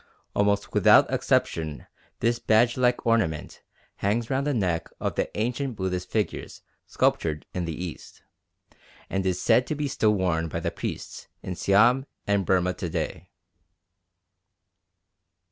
Almost without exception this badge like ornament hangs round the neck of the ancient Buddhist figures sculptured in the East, and is said to be still worn by the priests in Siam and Burma to day.